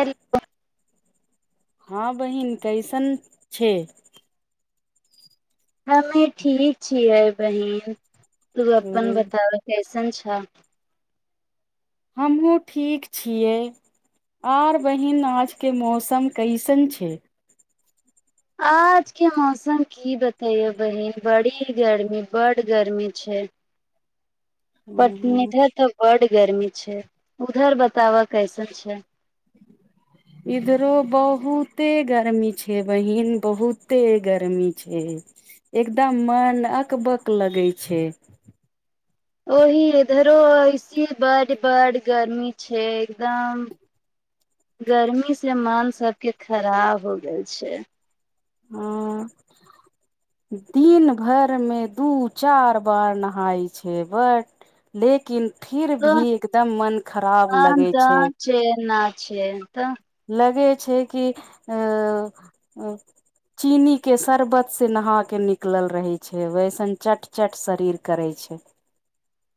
Hello हँ बहिन कैसन छै हमे ठीक छियै बहिन तू अपन बताब, केहन छै? सछा हमहूँ ठीक छियै। आर बहिन, आजुक मौसम केहन छै? आजुक मौसम की बताउ, बहिन? बहुत गर्मी छै, बड़ गर्मी छै। पटनी तऽ बड गर्मी छै, उधर बताउ, केहन छै? इधरो बहुते गर्मी छै, बहिन। बहुते गर्मी छै, एकदम मन अकबक लगैत छै। ओह, इधरो एहेन बड़ गर्मी छै, एकदम गर्मी सँ मन सभक खराब भऽ गेल छै। हँ, दिन भरिमे दू-चारि बेर नहाइ छै, मुदा फेरो त एकदम मन खराब आन लगैत छै, दान ना छै त लगैत छै। छै कि अ चीनीक शरबत सँ नहा कऽ निकलल रहै छै, वैसन चट-चट शरीर करैत छै।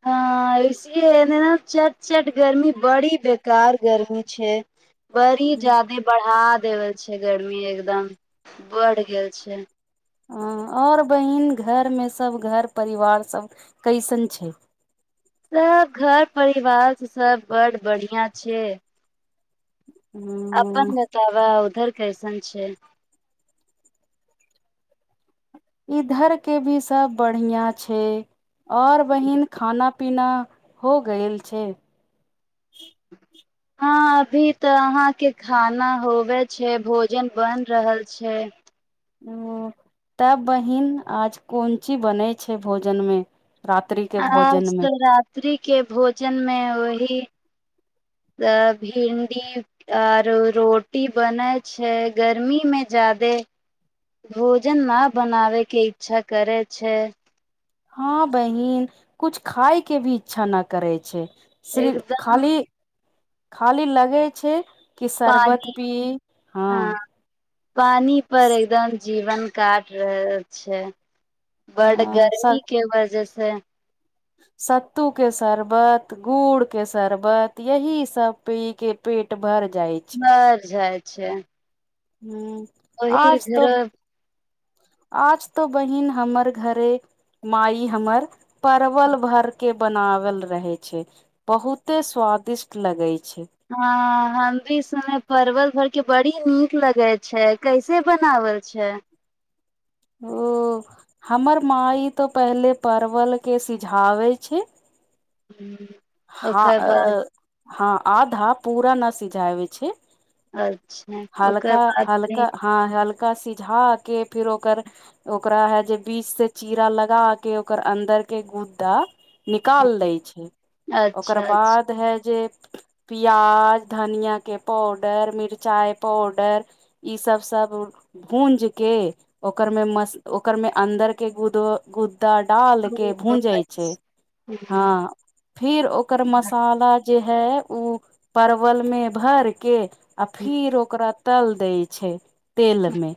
हँ, एहि लेल एतय ने चट-चट गर्मी, बड़ बेकार गर्मी छै। बड़ी हूँ। जादे बढ़ा। देवल छै गर्मी एकदम बढ़ गेल छै हँ आओर बहीन घरमे सभ घर परिवार सभ कैसन छै सभ घर-परिवार सभ बड़ बढ़िया छै। अपन ह बताउ उधर। कैसन छै इधरकहु सभ बढ़ियाँ छै, आओर बहिन, खाना-पीना भऽ गेल छै? हँ, अभी तँ अहाँक खाना होयबाक छै, भोजन बनि रहल छै। ओ तब बहिन आज कोन चीज बनै छै भोजन मे रात्रि के आ भोजन मे र सेक भोजनमे ओहि भिंडी आ रोटी बनैत छै। गर्मीमे जादे भोजन बनेबाक इच्छा नहि करैत छै। हँ बहिन कुछ खााय के भी इच्छा न करै छै श्र एकदम खाली खाली लगे छै कि शरबत पानी पी हँ पानी पर एकदम जीवन काट रह छै बड हँ स गर्मी के वजह से से सत्तू के शरबत गुड़ के शरबत यह सब पी के पेट भर जाइ बर जाय अच्छा हँ अही घर आज तँ बहिन, हमर घरेमे हमर परवल भरिके बनाओल रहै छै, बहुते स्वादिष्ट लगैत छै। हँ हम भी सुने परवल भर के बड़ी नीक लगै छै कैसे बनावल छै ओ हमर माँ ई तऽ पहिले परवलके सिझावै छै ह हँ अ हँ आ धा पूरा न सिझाबे छै अच्छा ओकर हल्का बाद फ हल्का हँ हल्का सिझा के फिर ओकर ओकरा है जे बीच से चीरा लगा के ओकर अन्दर के गूददा निकाल दै छै ओकर अच्छा अच्छा बाद है प्याज धनिया के पाउडर मिचाई पाडर ई सब सब भूज के ओकर मे ओकर में अन्दर केो त डाल के ओ भूजै छै अच्छा हँ फिर ओकर मसाला जे है उ परवल मे भर के हूँ। अभी रोकक रह टल दै छै तेल मे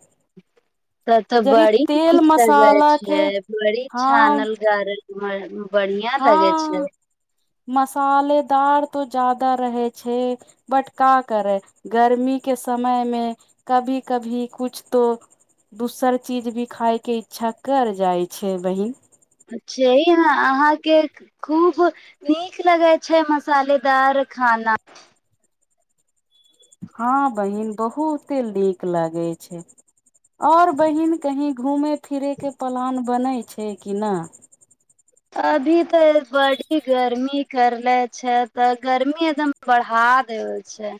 त तऽ जरी बड़ी तेल नीक लगै मसाला के छै बड़ी हँ छानल गार ह बढ़ििया लगे हँ छै मसालेदार तो ज्यादा रहै छै बटका करै गर्मी के समय मे कभी कभी कुछ तो दोसर चीज भी खाायके इच्छा कर जाइ छै बहिन छै ने अहाँके खूब नीक लगै छै मसालेदार खाना हँ बहिन बहुते नीक लागे छै और बहिन कही घूमे फिरे के पलान बनै छै कि नहि अभी तऽ बड़ी गर्मी करले छै तऽ गर्मी एकदम बढ़ा दे छै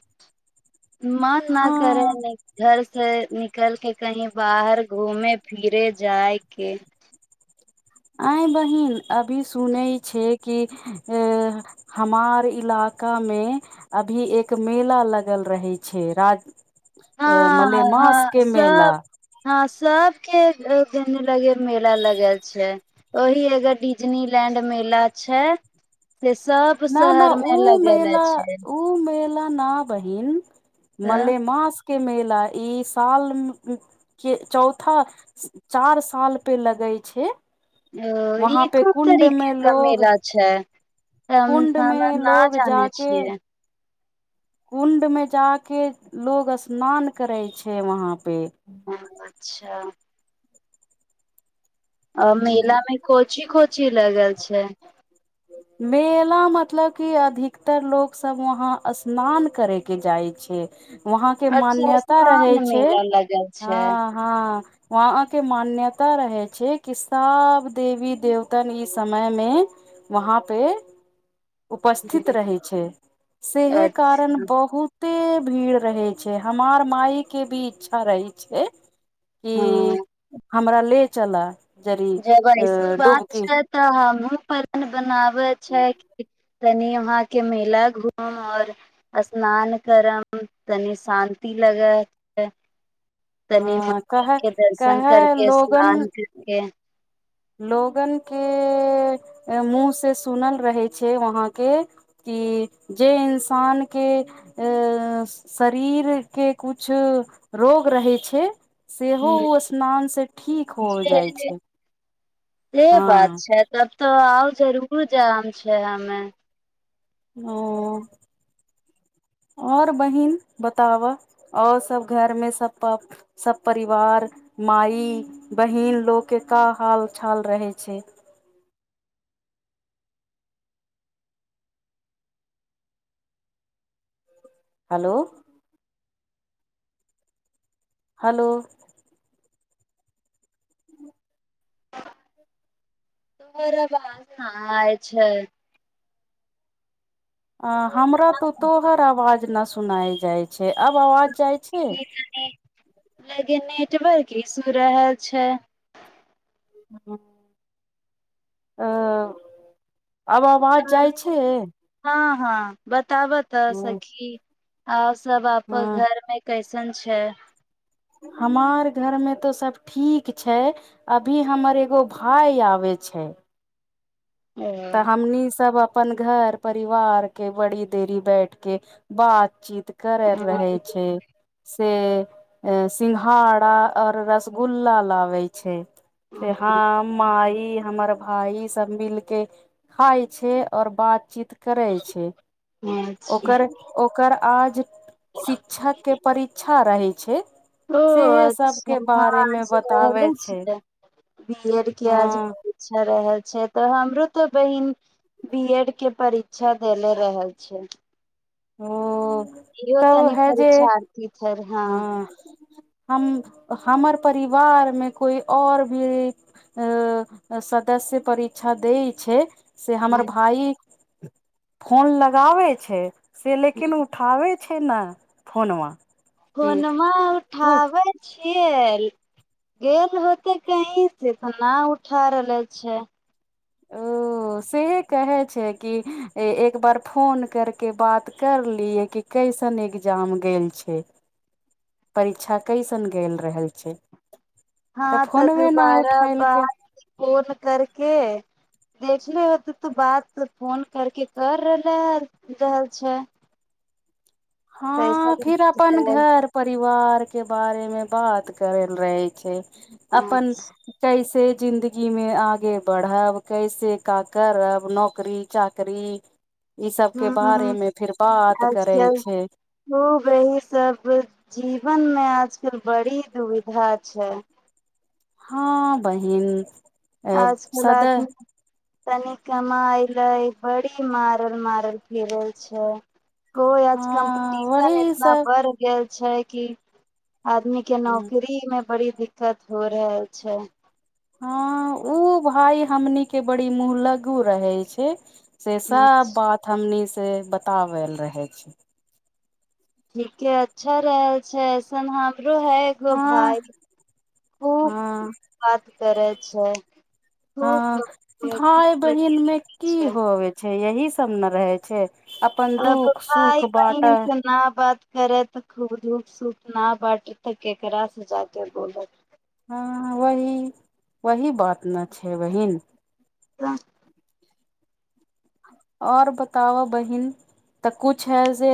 मन ना करे हँ घर से निकलके कही बाहर घूमे फिरे जायके आ बहिन अभी सुनै छै कि अ हमार इलाका मे अभी एक मेला लगल रहै छै राज ए हँ मलेमास ह के मेला सब हँ सब के घेने लगे मेला लगल छै ओह एगो डिजनी लैंड मेला छै से सब न ना शहर मे ओऊ लगेले मेला छै उऊ मेल न बहिन तऽ मले मस के मेला ई साल के चौथा चार साल पे लगे छै ओ ई वहाँ पे कोन कुण्ड तरीक मे लोग रमेला छै त हम कुण्ड हम मे न लोग जानै जाके छियै कुण्ड मे जााक लोग स्नान करै छै वहाँ पे ह अच्छा आ हूँ। मेलामे कोची कोची लगल छै मेला मतलब की अधिकतर लोकोग सब वहा स्नान करे के जाइ छै वहाँ के अच्छा मान्यता रहे स्नान छै मेला लगल छै हँ हँ वहाके मान्यता रहे छै कसाब देवी देवतन ईस समय में वहाँ पे उपस्थित रहै छै सेहे कारण अच्छा बहुत कते भीड़ रहै छै हमार मााय के भी इच्छा रहै छै हू हँ हमरा ले चल जब ऐसन बात छै तऽ हम बना व अच्छा है तनि वहााँके मेला घूम आओर स्नान करब तनि शान्ति लगत ह कह कह करके लोगन स्नान करके लोगनके मुँहसँ सुनल रहै छै वहाँके कि जे इंसानके शरीरके किछ रोग रहै छै सेहो हूँ ओ स्नानसँ ठीक हो जे जाइ छै से हँ बात छै तब तऽ आउ जरूर जयाम छै हमे ह आओर बहीन बताबह आओर सभ घरमे सभ प सभ परिवार मइ बहीन लोकके का हालचाल रहै छै हेलो हेलो ह [inaudible] तरा बाज नहि छै अ हमरा तो तोहर आवाज न सुनाय जाइ छै आब आवाज जाइ छै लेकिन नेटवर्क ईसू रहल छै ह आ आब बाज जाइ छै हँ हँ ब तबतऽ सखी आ सब आप ह घर मे कैसे पस छै हमार घरमे तऽ सभ ठीक छै अभी हमर एगो भाय आबै छै ओ तऽ हमनी सब अपन घर परिवार के बड़ी देरी बैठ के बातचीत कर हम्म, रहै छै से सिंघाड़ा और रसगुल्ला लाबे छै सेहाँ मइ हमर भाइ सब मिलके खाए छै और बातचीत करै छै [unintelligible] अच्छा ओकर ओकर आज शिक्षा के परीक्षा रहै छै छै [unintelligible] मे बताबै छै बीएड के आज हँ परीक्षा रहे से तऽ हमरो तऽ बहिन बी एड के परीक्षा देले रहल छै [inaudible] इहो तब तनि है जे परीक्षा दीथे रहे हँ हम हमर परिवार मे कोइ और [unintelligible] भी सदस्य परीक्षा दै छै से हमर भाई [unintelligible] फोन लगाबै छै से लेकिन उठाबै छै ने फोन मा कोनमा उठावज छै [unintelligible] गेल होते कहीं से तऽ फोनमा नहि उठा रहले छै ओ सेह कहै छै कि एक बार फोन करि कऽ बात करलियै कि कैसन एग्जाम गेल छै परीक्षा कैसन गेल रहे छै हँ तऽ फोनवे न दुोबारा उठैलकै बाद फोन करके देखले होतै तो बात फोन करके कर रहलै [unintelligible] छै पैसा हँ ह फिर अपन घर-परिवारके बारेमे बात करैलए रहै छै अपनन [unintelligible] से जिंन्दगीमे आगे बढ़ब, कैसे का करब, नोकरी-चाकरी? ई सबके बारेमे फिर बात करै आजकल खूब अहीं सब जीवनमे आजकल बड़ी दुविधा छै हँ, बहिन आजकल सद आदमी तनी कमाइले बड़ी मारल-मारल फिरल छै कोइ आज हँ कम्पिटिशन वही एतना सब बढ़ गेल छैक की? आदमीके नौकरीमे बड़ी दिक्कत हो रहल छै हँ, ऊ भाय हमनीके बड़ी मुॅंहलग्गू रहै छै से सब बात हमनी से बताबेल रहै छै ठीके अच्छा रहै छै ऐसन हम रहै हँ प्रोफाइल, ओहो हँ खूब बात करै अच्छा ह भाय बतै बहिन मे की छै होवे छै यही सब न रहै छै अपन अब दुःख भाय सुख बाँटै बहिनसँ न बात करै तऽ खूब दुःख सुतना बाटे त केकरा से जाकेँ बोलत हँ वही वही बात न छै बहिन त आओर बताब बहिन तऽ कुछ हइ जे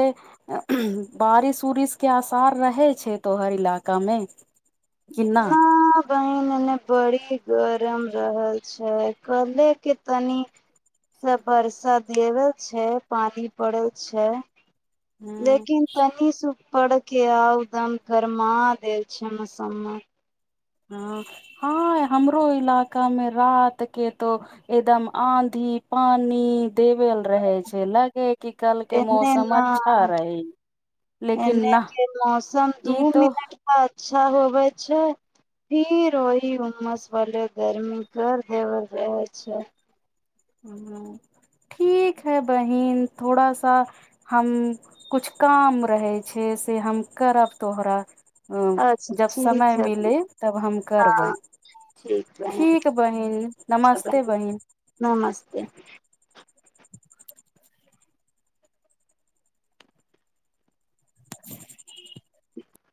बारिश उरिश के आसार रहे छै तोहर इलाका मे ना बहिन एने बड़ी गरम रहल छै कले के तनी सब वर्षा दियेबै छै पानी पड़ैय छै ह लेकिन तनी सु पर के आउ दम फरमा देेय छै समान ह हँ हमरो इलाका मे रात के तो एकदम आंधी पानि देबेल रहे छै लागे कि कल के एने मौसम न अच्छा रहै लेकिन एने ना के मौसम ई दू तो मिनट का अच्छा होवे छै फिर ओहि उमस वाले गर्मी कर देवल रहे छै ह ठीक है बहिन थोड़ा सा हम कछ काम रहै छै से हम करब तोहरा ओ अच्छा जब समय ठीक है मिले तब हम करबै हँ ठीक बहिन ठीक बहिन नमस्ते बहिन ते [inaudible] [unintelligible]